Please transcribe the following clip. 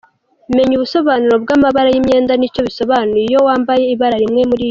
Menya ubusobanuro bw’amabara y’imyenda nicyo bisobanuye iyo wambaye ibara rimwe muriyo.